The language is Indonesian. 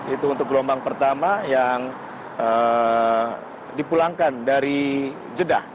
itu untuk gelombang pertama yang dipulangkan dari jeddah